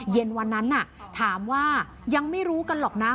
เย็นวันนั้นถามว่ายังไม่รู้กันหรอกนะ